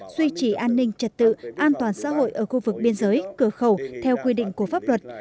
duy trì an ninh trật tự an toàn xã hội ở khu vực biên giới cửa khẩu theo quy định của pháp luật